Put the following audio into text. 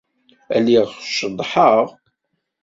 Lliɣ ceḍḍḥeɣ.